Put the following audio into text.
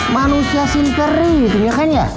manusia sinteri itu ya kan ya